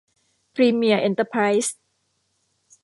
พรีเมียร์เอ็นเตอร์ไพรซ์